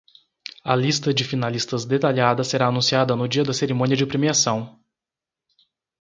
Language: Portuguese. A lista de finalistas detalhada será anunciada no dia da cerimônia de premiação.